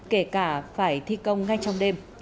kể cả phải thi công ngay trong đêm